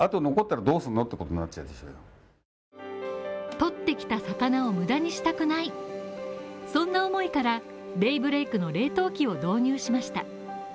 取ってきた魚を無駄にしたくないそんな思いから、デイブレイクの冷凍機を導入しました。